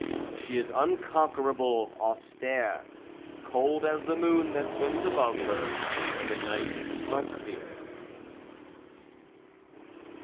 She is unconquerable, austere, Cold as the moon that swims above her When the nights are clear.